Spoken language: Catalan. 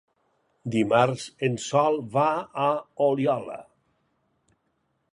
Dimarts en Sol va a Oliola.